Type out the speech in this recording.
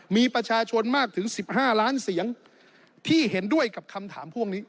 มีประชาชนมากถึง๑๕ล้านเสียงที่เห็นด้วยกับคำถามพวกนี้